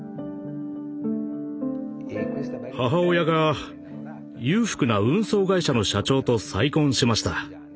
母親が裕福な運送会社の社長と再婚しました。